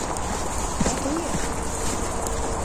Kā tev iet?